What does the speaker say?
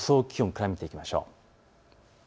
気温から見ていきましょう。